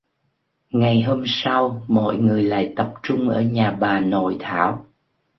Ngày hôm sau mọi người lại tập trung ở nhà bà nội thảo